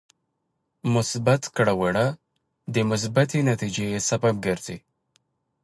مثبت کړه وړه د مثبتې نتیجې سبب ګرځي.